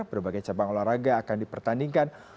berbagai cabang olahraga akan dipertandingkan